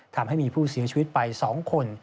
ทำให้มีผู้เสียชีวิตไป๒คน